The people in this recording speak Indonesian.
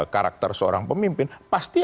karakter seorang pemimpin pasti